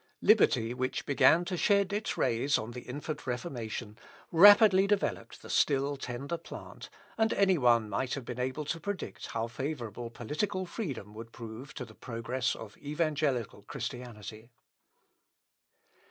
Liberty which began to shed its rays on the infant Reformation, rapidly developed the still tender plant, and any one might have been able to predict how favourable political freedom would prove to the progress of evangelical Christianity.